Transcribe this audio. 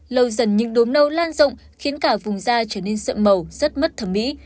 lâu dần những đốm nâu lan rộng khiến cả vùng da trở nên sợ màu rất mất thẩm mỹ